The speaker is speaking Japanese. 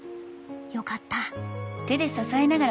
よかった。